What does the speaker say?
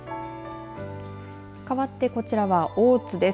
かわってこちらは大津です。